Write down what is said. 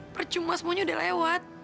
percuma semuanya udah lewat